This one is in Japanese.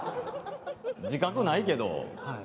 自覚ないけど。